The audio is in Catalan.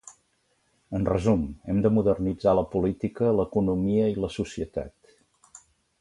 En resum, hem de modernitzar la política, l'economia i la societat.